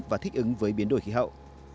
và thích ứng với biến đổi khí hậu